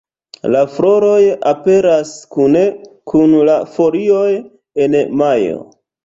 La floroj aperas kune kun la folioj en majo.